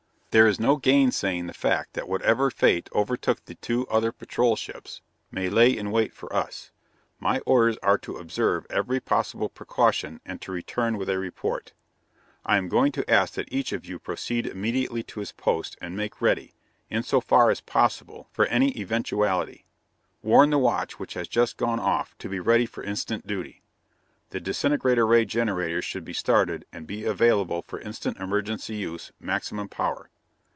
"There is no gainsaying the fact that whatever fate overtook the two other Patrol ships, may lay in wait for us. My orders are to observe every possible precaution, and to return with a report. I am going to ask that each of you proceed immediately to his post, and make ready, in so far as possible, for any eventuality. Warn the watch which has just gone off to be ready for instant duty. The disintegrator ray generators should be started and be available for instant emergency use, maximum power.